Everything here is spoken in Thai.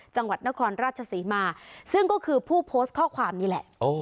จังหวัดนครราชศรีมาซึ่งก็คือผู้โพสต์ข้อความนี่แหละ